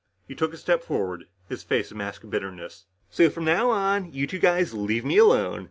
He took a step forward, his face a mask of bitterness. "So from now on, you two guys leave me alone.